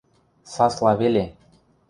Сасла веле.